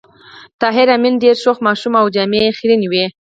طاهر آمین ډېر شوخ ماشوم و او جامې یې خيرنې وې